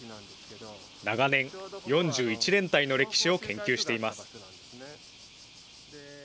長年、４１連隊の歴史を研究しています。